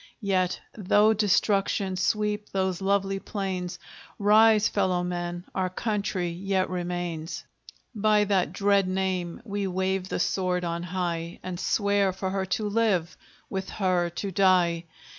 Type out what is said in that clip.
Yet, though destruction sweep those lovely plains, Rise, fellow men! our country yet remains. By that dread name, we wave the sword on high, And swear for her to live! with her to die!